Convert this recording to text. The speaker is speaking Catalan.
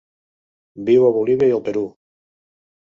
Viu a Bolívia i el Perú.